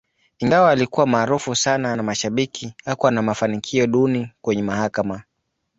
Ingawa alikuwa maarufu sana na mashabiki, hakuwa na mafanikio duni kwenye mahakama.